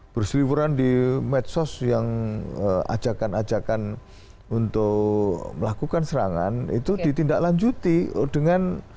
berseliwuran di medsos yang ajakan ajakan untuk melakukan serangan itu ditindaklanjuti dengan